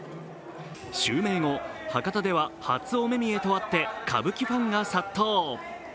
襲名後、博多では初お目見えとあって歌舞伎ファンが殺到。